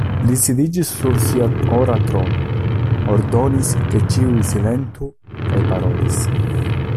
Li sidiĝis sur sia ora trono, ordonis, ke ĉiuj silentu kaj parolis: